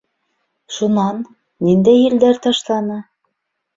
Шунан, ниндәй елдәр ташланы?